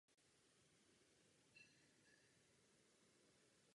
V některých státech jsou efektivnější než v jiných.